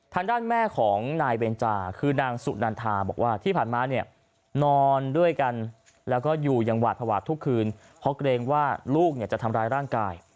ทางด้านแม่ของนายเบนจาคือนางสุนันทาบอกว่าที่ผ่านมาเนี่ยนอนด้วยกันแล้วก็อยู่อย่างหวาดภาวะทุกคืนเพราะเกรงว่าลูกเนี่ยจะทำร้ายร่างกาย